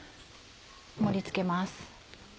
盛り付けます。